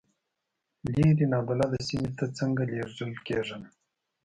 لرې نابلده سیمې ته څنګه لېږل کېږم.